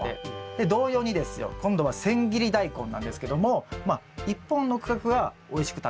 で同様にですよ今度は千切りダイコンなんですけども１本の区画はおいしく食べられました。